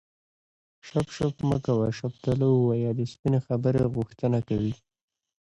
شف شف مه کوه شفتالو ووایه د سپینې خبرې غوښتنه کوي